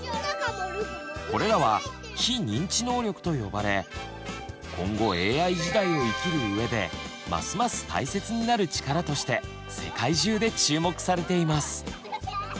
これらは「非認知能力」と呼ばれ今後ＡＩ時代を生きる上でますます大切になる力として世界中で注目されています。